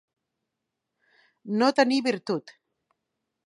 No tenir virtut.